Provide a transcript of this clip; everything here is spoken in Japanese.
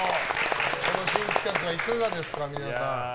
この新企画はいかがですか皆さん。